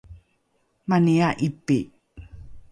mani a’ipi